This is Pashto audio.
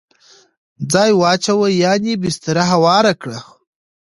ځای واچوه ..یعنی بستره هواره کړه